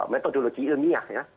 metodologi ilmiah ya